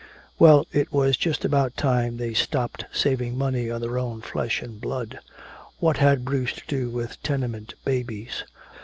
Well, it was just about time they stopped saving money on their own flesh and blood! What had Bruce to do with tenement babies?